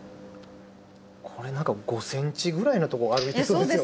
これ何か５センチぐらいのとこを歩いてそうですよね。